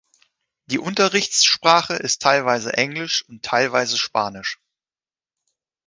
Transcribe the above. Die Unterrichtssprache ist teilweise Englisch und teilweise Spanisch.